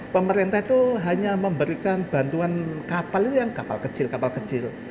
pemerintah itu hanya memberikan bantuan kapal itu yang kapal kecil kapal kecil